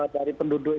dari penduduk itu